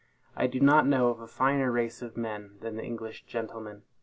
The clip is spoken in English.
I do not know a finer race of men than the English gentlemen.